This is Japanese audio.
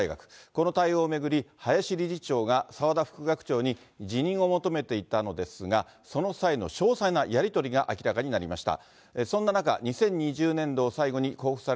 この対応を巡り、林理事長が澤田副学長に辞任を求めていたのですが、その際の詳細なやり取りが明らかになりました。